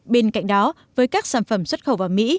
bên cạnh đó với các sản phẩm xuất khẩu vào mỹ